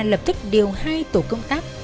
lập tức điều hai tổ công tác